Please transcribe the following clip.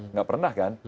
nggak pernah kan